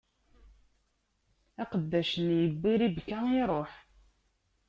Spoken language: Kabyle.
Aqeddac-nni yewwi Ribka, iṛuḥ.